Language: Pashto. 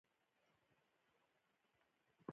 د دولچ په اړه مې زیات توضیحات ور نه کړل.